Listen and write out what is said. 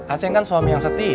acing kan suami yang setia